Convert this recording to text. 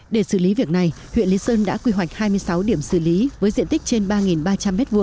để xử lý việc này huyện lý sơn đã quy hoạch hai mươi sáu điểm xử lý với diện tích trên ba ba trăm linh m hai